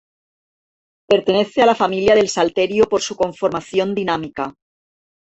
Pertenece a la familia del salterio por su conformación dinámica.